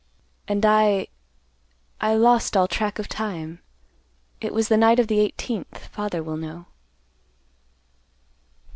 "And I—I lost all track of time. It was the night of the eighteenth. Father will know."